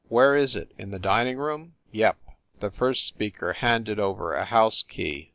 Where is it, in the dining room ?" "Yep." The first speaker handed over a house key.